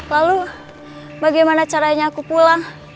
lalu bagaimana caranya aku pulang